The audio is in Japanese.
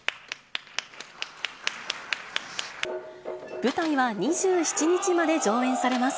舞台は２７日まで上演されます。